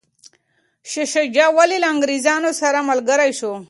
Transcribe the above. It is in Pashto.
شاه شجاع ولي له انګریزانو سره ملګری شو؟